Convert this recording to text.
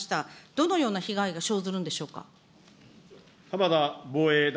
どのような被害が生ずるんでしょうか。